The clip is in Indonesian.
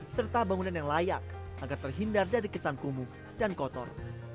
serta bangunan yang layak agar terhindar dari kesan kumuh dan kotor